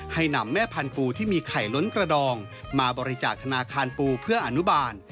ให้นำแม่พันธูที่มีไข่ล้นกระดองมาบริจาคธนาคารปูเพื่ออนุบาล